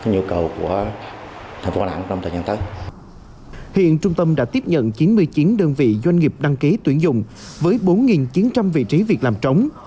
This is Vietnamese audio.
hiện trung tâm đã tiếp nhận chín mươi chín đơn vị doanh nghiệp đăng ký tuyển dụng với bốn chín trăm linh vị trí việc làm trống